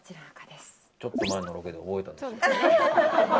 ちょっと前のロケで覚えたんですよ。